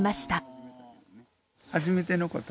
初めてのこと。